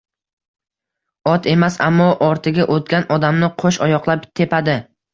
Ot emas, ammo ortiga o’tgan odamni qo’sh oyoqlab tepadi.